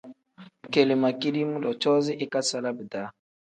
Kele ma kidiim-ro na coozi ikasala bidaa.